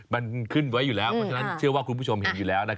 มันขึ้นไว้อยู่แล้วเพราะฉะนั้นเชื่อว่าคุณผู้ชมเห็นอยู่แล้ว